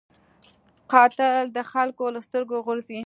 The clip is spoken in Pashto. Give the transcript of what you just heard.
قاتل د خلکو له سترګو غورځي